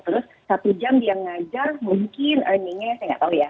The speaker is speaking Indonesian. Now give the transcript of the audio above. terus satu jam dia ngajar mungkin earningnya ya saya nggak tahu ya